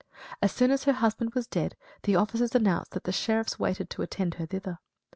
As soon as her husband was dead the officers announced that the sheriffs waited to attend her thither.